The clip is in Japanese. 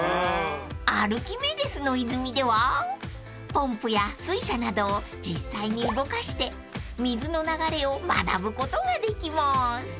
［アルキメデスの泉ではポンプや水車などを実際に動かして水の流れを学ぶことができます］